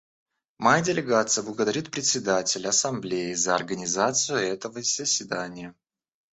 Моя делегация благодарит Председателя Ассамблеи за организацию этого заседания.